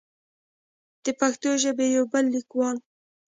د پښتو ژبې يو بل ليکوال